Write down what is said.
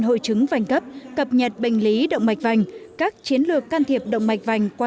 hội chứng vành cấp cập nhật bệnh lý động mạch vành các chiến lược can thiệp động mạch vành qua